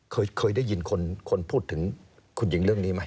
เคยได้ยินคนพูดถึงคุณหญิงเรื่องนี้ไหม